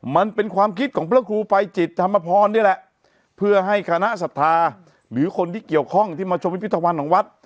มันเป็นความคิดของพระครูภัยจิตธรรมพรนี่แหละเพื่อให้คณะศรัทธาหรือคนที่เกี่ยวข้องที่มาชมวิพิธภัณฑ์ของวัด